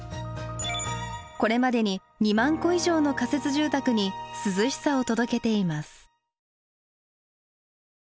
これまでに２万戸以上の仮設住宅に涼しさを届けています。